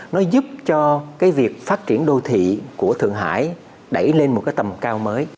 nó giúp cho cái việc phát triển đô thị của thượng hải đẩy lên một cái tầm cao mới